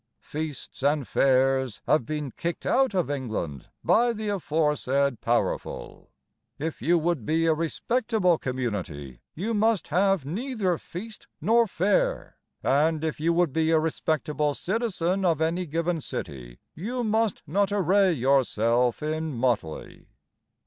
Feasts and fairs have been kicked out of England By the aforesaid powerful: If you would be a respectable community You must have neither feast nor fair, And, if you would be a respectable citizen of any given city, You must not array yourself in motley.